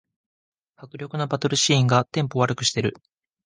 迫力のバトルシーンがテンポ悪くしてる